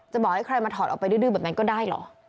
บอกให้ใครมาถอดออกไปดื้อแบบนั้นก็ได้เหรอ